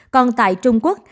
còn tại trung quốc